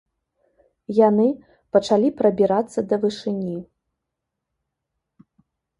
Яны пачалі прабірацца да вышыні.